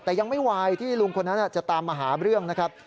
แต่ยังไม่ไหวที่ลุงคนนั้นจะตามมาหาเรื่องนะครับ